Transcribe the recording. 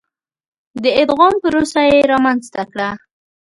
د ادغام پروسه یې رامنځته کړه.